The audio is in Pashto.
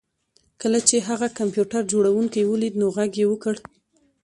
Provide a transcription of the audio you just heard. کله چې هغه د کمپیوټر جوړونکی ولید نو غږ یې وکړ